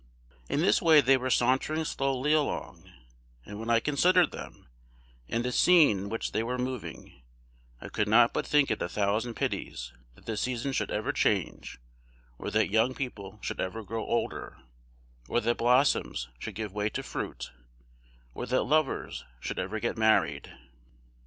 In this way they were sauntering slowly along, and when I considered them, and the scene in which they were moving, I could not but think it a thousand pities that the season should ever change, or that young people should ever grow older, or that blossoms should give way to fruit, or that lovers should ever get married.